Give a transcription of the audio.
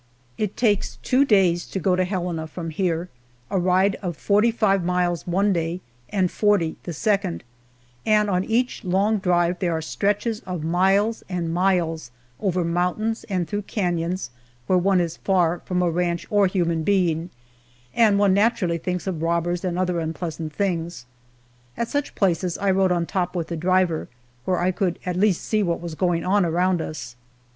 It takes two days to go to Helena from here, a ride of forty five miles one day and forty the second; and on each long drive there are stretches of miles and miles over mountains and through canons where one is far from a ranch or human being, and one naturally thinks of robbers and other unpleasant things. At such places I rode on top with the driver, where I could at least see what was going on around us.